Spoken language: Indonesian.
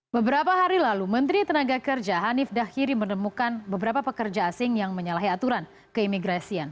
beberapa hari lalu menteri tenaga kerja hanif dahiri menemukan beberapa pekerja asing yang menyalahi aturan keimigrasian